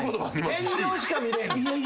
天井しか見れん。